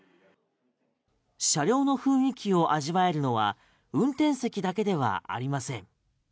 車両の雰囲気を味わえるのは運転席だけではありません。